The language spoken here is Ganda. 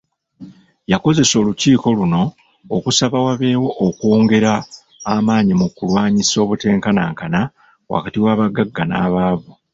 Yakozesa olukiiko luno okusaba wabewo okwongera amaanyi mu kulwanyisa obutenkanakana wakati w'abagagga n'abaavu